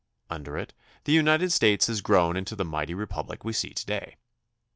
Under it the United States has grown into the mighty Republic we see to day.